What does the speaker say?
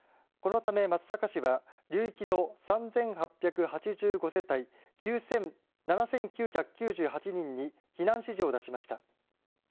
このため松阪市は流域の３８８５世帯、７９９８人に避難指示を出しました。